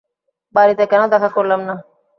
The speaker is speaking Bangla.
বাড়িতে কেন দেখা করলাম না?